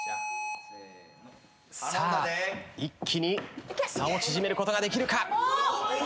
さあ一気に差を縮めることができるか？